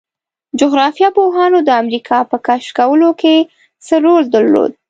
جغرافیه پوهانو د امریکا په کشف کولو کې څه رول درلود؟